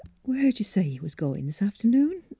Where 'd you say you was goin' this afternoon?